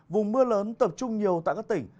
vùng mưa lớn tập trung nhiều tại các tỉnh